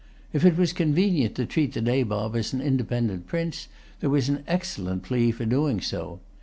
If it was convenient to treat a Nabob as an independent prince, there was an excellent plea for doing so.